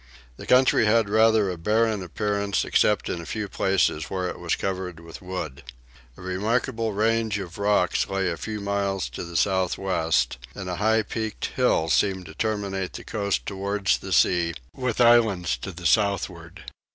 The country had rather a barren appearance except in a few places where it was covered with wood. A remarkable range of rocks lay a few miles to the south west, and a high peaked hill seemed to terminate the coast towards the sea, with islands to the southward.